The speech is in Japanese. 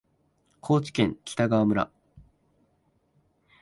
高知県北川村